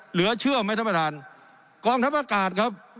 เหลือเชื่อไหมท่านประธานกองทัพอากาศครับ